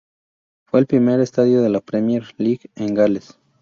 Fue el primer estadio de la Premier League en Gales.